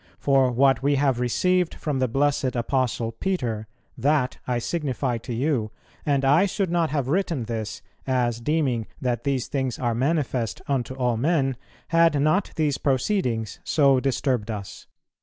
... For what we have received from the blessed Apostle Peter, that I signify to you; and I should not have written this, as deeming that these things are manifest unto all men, had not these proceedings so disturbed us."